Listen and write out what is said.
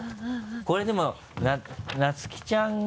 これでも菜月ちゃんが。